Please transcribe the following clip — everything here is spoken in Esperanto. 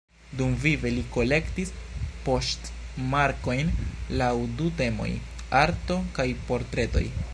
Dumvive li kolektis poŝtmarkojn laŭ du temoj: ""Arto"" kaj ""Portretoj"".